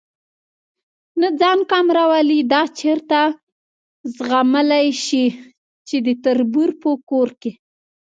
نه ځان کم راولي، دا چېرته زغملی شي چې د تربور په کور.